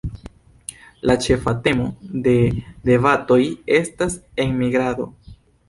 La ĉefa temo de debatoj estas enmigrado.